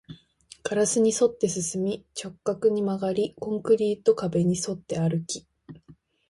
ガラスに沿って進み、直角に曲がり、コンクリート壁に沿って歩き